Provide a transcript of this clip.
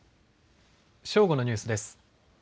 正午のニュースです。